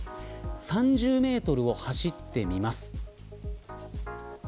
３０メートルを走ってみます。